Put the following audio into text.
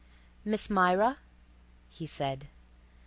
"Miss Myra," he said.